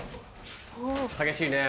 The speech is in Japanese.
激しいね。